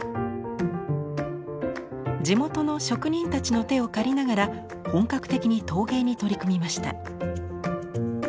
地元の職人たちの手を借りながら本格的に陶芸に取り組みました。